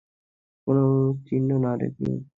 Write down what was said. কোনো চিহ্ন না রেখেই উধাও হয়ে গেছে।